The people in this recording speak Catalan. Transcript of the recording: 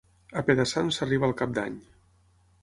Apedaçant s'arriba al Cap d'Any.